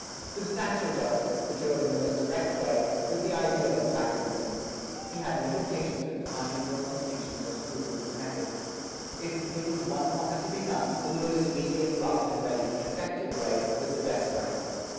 Substantial justice, secured in the most direct way, was the ideal of the backwoodsman. He had little patience with finely drawn distinctions or scruples of method. If the thing was one proper to be done, then the most immediate, rough and ready, effective way was the best way.